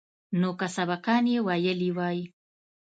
نو که سبقان يې ويلي واى.